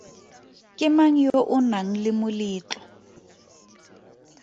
Ke mang yo o nang le moletlo?